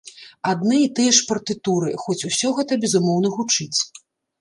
Адны і тыя ж партытуры, хоць усё гэта, безумоўна, гучыць.